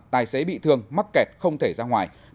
tài xế bị thương mắc kẹt không thể ra ngoài